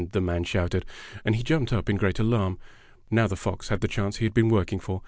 the man shouted, and he jumped up in great alarm. Now the fox had the chance he had been working for.